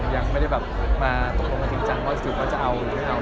ยังไม่ได้แบบมาตกลงกันจริงจังว่าสรุปเขาจะเอาหรือไม่เอา